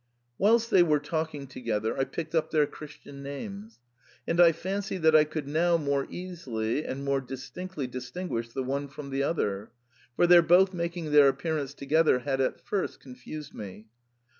" Whilst they were talking together I picked up their Christian names, and I fancied that I could now more easily and more distinctly distinguish the one from the .other, for their both making their appearance together had at first confused me.